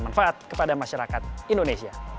manfaat kepada masyarakat indonesia